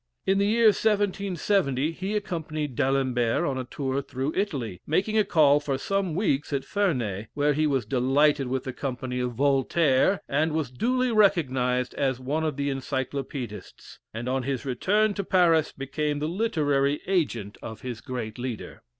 In the year 1770 he accompanied D'Alembert in a tour through Italy, making a call for some weeks at Ferney, where he was delighted with the company of Voltaire, and was duly recognised as one of the Encylopædists; and, on his return to Paris, became the literary agent of his great leader.